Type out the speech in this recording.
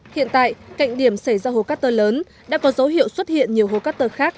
hiện tại cạnh điểm xảy ra hố cát tơ lớn đã có dấu hiệu xuất hiện nhiều hố cát tơ khác